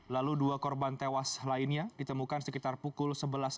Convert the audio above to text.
lalu dua korban tewas lainnya ditemukan sekitar pukul sebelas tiga puluh